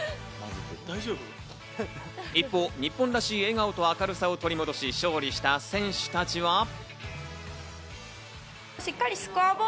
一方、日本らしい笑顔と明るさを取り戻し勝利した選手たちは。